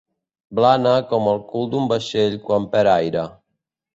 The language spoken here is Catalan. Blana com el cul d'un vaixell quan perd aire.